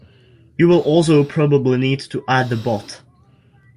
You will also probably need to add the bot